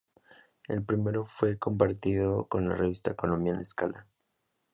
El premio fue compartido con la revista colombiana Escala.